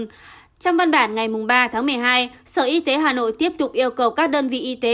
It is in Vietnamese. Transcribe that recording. trong văn bản ngày ba tháng một mươi hai sở y tế hà nội tiếp tục yêu cầu các đơn vị y tế